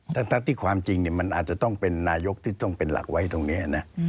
ทั้งที่ความจริงมันอาจจะต้องเป็นนายกที่ต้องเป็นหลักไว้ตรงนี้นะ